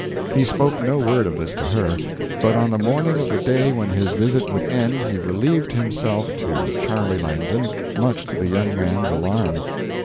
He spoke no word of this to her, but on the morning of the day when his visit would end he relieved himself to Charlie Langdon, much to the young man's alarm.